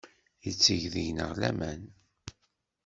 Yetteg deg-neɣ laman.